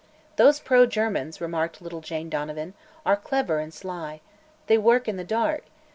"Those pro Germans," remarked little Jane Donovan, "are clever and sly. They work in the dark.